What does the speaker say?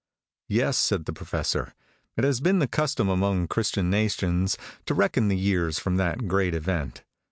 "Yes," said the Professor, "it has been the custom among Christian nations to reckon the years from that great event.